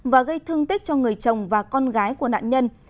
và gây thương tích cho người chồng và con gái của nạn nhân